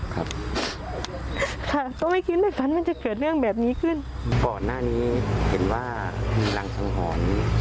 ค่ะค่ะก็ไม่คิดไม่ฝันว่าจะเกิดเรื่องแบบนี้ขึ้นก่อนหน้านี้เห็นว่ามีรังสังหรณ์